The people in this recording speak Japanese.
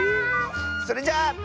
それじゃあ。